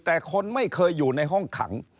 แต่คนไม่เคยอยู่ในห้องขัง